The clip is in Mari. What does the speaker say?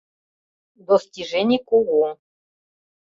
Достижений кугу.